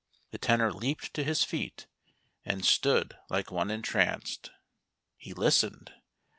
The Tenor leaped to his feet. § and stood like one entranced. He listened.